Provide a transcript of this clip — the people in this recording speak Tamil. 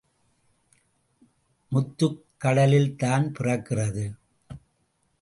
முத்துக் கடலில்தான் பிறக்கிறது.